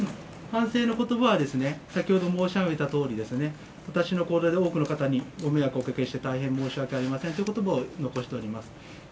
反省のことばはですね、先ほど申し上げたとおり、私の行動で多くの方にご迷惑をおかけして、大変申し訳ありませんということばを残しております。